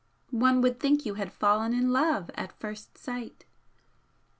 One would think you had fallen in love at first sight.